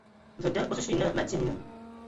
Ve da, osusua ye naa me atie mina.